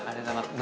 何？